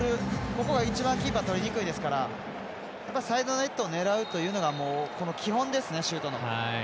ここが一番、キーパーとりにくいですからサイドネットを狙うというのが基本ですね、シュートの。